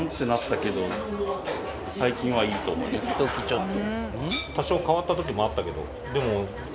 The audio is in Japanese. いっときちょっと。